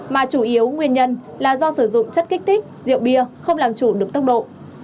mà chủ yếu nguyên nhân là do sử dụng chất kích thích rượu bia không làm chủ được tốc độ